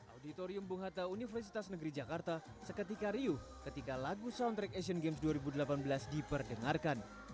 auditorium bung hatta universitas negeri jakarta seketika riuh ketika lagu soundtrack asian games dua ribu delapan belas diperdengarkan